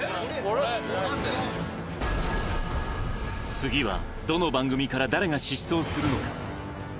次はどの番組から誰が失踪するのか？